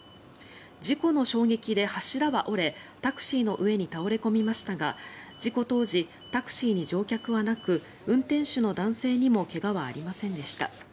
事故の衝撃で柱は折れタクシーの上に倒れ込みましたが事故当時、タクシーに乗客はなく運転手の男性にも怪我はありませんでした。